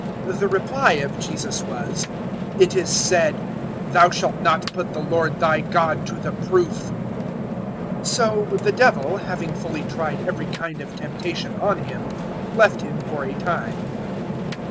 '" 004:012 The reply of Jesus was, "It is said, `Thou shalt not put the Lord they God to the proof.'" 004:013 So the Devil, having fully tried every kind of temptation on Him, left Him for a time.